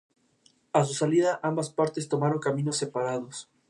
El paisaje del fondo recuerda el norte de Burgos.